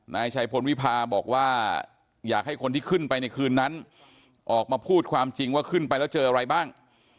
นายชัยพลวิพาบอกว่าอยากให้คนที่ขึ้นไปในคืนนั้นออกมาพูดความจริงว่าขึ้นไปแล้วเจออะไรบ้าง